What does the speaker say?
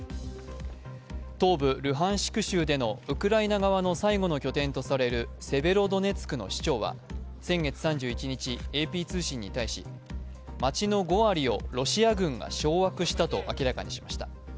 東部ルハンシク州でのウクライナ側の最後の拠点とされるセベロドネツクの市長は、先月３１日、ＡＰ通信に対し街の５割をロシア軍が掌握したと明らかにしました。